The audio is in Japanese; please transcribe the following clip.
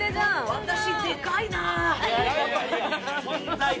私でかいな。